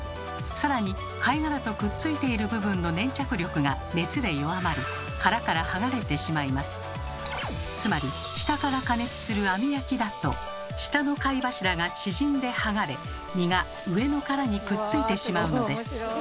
さらに貝殻とくっついている部分の粘着力が熱で弱まりつまり下から加熱する網焼きだと下の貝柱が縮んではがれ身が上の殻にくっついてしまうのです。